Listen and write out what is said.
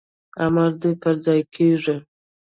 امر دي پرځای کیږي